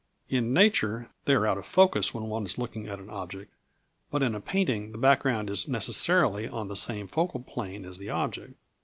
In nature they are out of focus when one is looking at an object, but in a painting the background is necessarily on the same focal plane as the object.